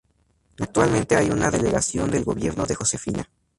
Actualmente hay una delegación del gobierno de Josefina.